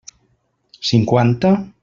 Cinquanta?